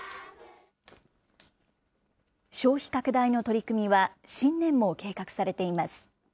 消費拡大の取り組みは、新年も計画されています。